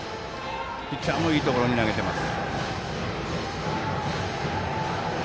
ピッチャーもいいところに投げています。